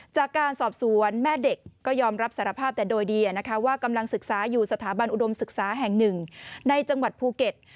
จากการสอบสวนแม่เด็กก็ยอมรับสารภาพแต่โดยดีว่ากำลังศึกษาอยู่สถาบันอุดมศึกษาแห่งหนึ่งในจังหวัดภูเก็ต